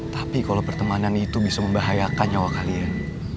tapi kalau pertemanan itu bisa membahayakan nyawa kalian